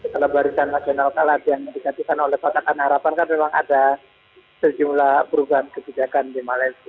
kalau barisan nasional kalah yang digantikan oleh kotakan harapan kan memang ada sejumlah perubahan kebijakan di malaysia